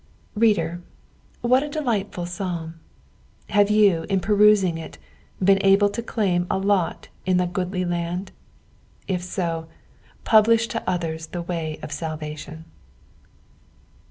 Reader, what a delightful Paalm t Have you, in perusing it, been able to claim a lot in the goodly land t If so, publish to others tbe way of salvation.